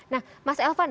nah mas elvan